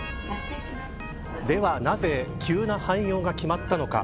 ではなぜ急な廃業が決まったのか。